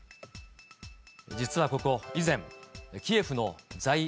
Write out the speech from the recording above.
実はここ、以前、キエフの在